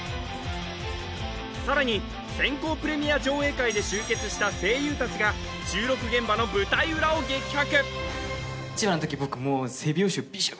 さらに先行プレミア上映会で集結した声優達が収録現場の舞台裏を激白